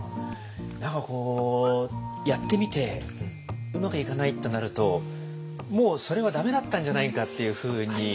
何かこうやってみてうまくいかないってなるともうそれはダメだったんじゃないかっていうふうに。